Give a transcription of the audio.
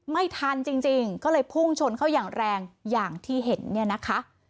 ไม่ทันจริงก็เลยพุ่งชนเข้าอย่างแรงอย่างที่เห็นเนี่ยนะคะ